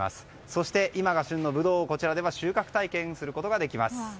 そして、今が旬のブドウを収穫体験することができます。